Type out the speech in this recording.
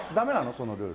そのルール。